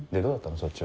そっちは。